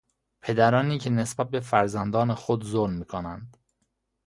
پدرانی که نسبت به فرزندان خود ظلم میکنند